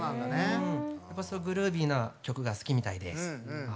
グルービーな曲が好きみたいで。